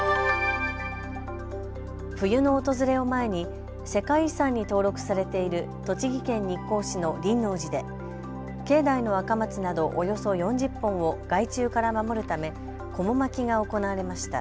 冬の訪れを前に世界遺産に登録されている栃木県日光市の輪王寺で境内のアカマツなどおよそ４０本を害虫から守るためこも巻きが行われました。